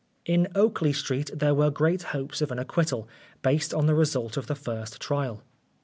In Oakley Street there were great hopes of an acquittal, based on the result of the first trial.